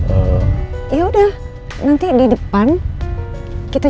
eh yaudah nanti di depan kita cari tasan kita ya